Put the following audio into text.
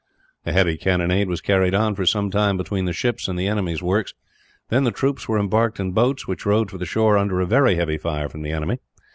A heavy cannonade was carried on, for some time, between the ships and the enemy's works. Then the troops were embarked in boats, which rowed for the shore under a very heavy fire from the enemy.